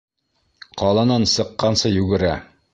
Ҡаланан сыҡҡансы йүгерә.